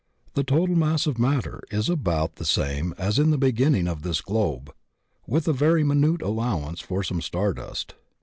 The total mass of matter is about the same as in the beginning of this globe, with a very minute allowance for some star dust.